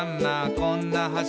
こんな橋」